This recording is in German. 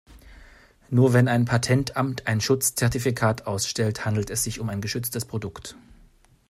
Nur wenn ein Patentamt ein Schutzzertifikat ausstellt, handelt es sich um ein geschütztes Produkt.